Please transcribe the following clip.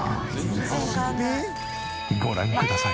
ご覧ください